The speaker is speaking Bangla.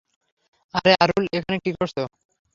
আরে আরুল, এখানে কি করছো?